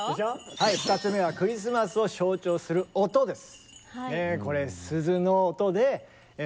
はい２つ目はクリスマスを象徴する音です。